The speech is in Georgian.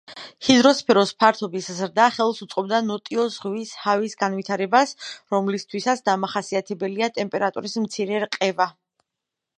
ჰიდროსფეროს ფართობის ზრდა ხელს უწყობდა ნოტიო ზღვის ჰავის განვითარებას, რომლისთვისაც დამახასიათებელია ტემპერატურის მცირე რყევა.